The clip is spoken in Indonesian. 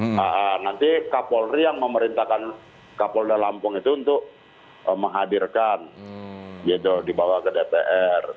nah nanti kapolri yang memerintahkan kapolda lampung itu untuk menghadirkan gitu dibawa ke dpr